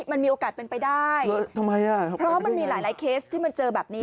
มันมีโอกาสเป็นไปได้ทำไมอ่ะเพราะมันมีหลายเคสที่มันเจอแบบนี้